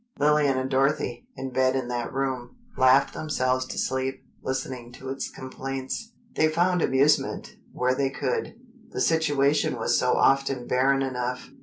Lillian and Dorothy, in bed in that room, laughed themselves to sleep, listening to its complaints. They found amusement where they could—the situation was so often barren enough.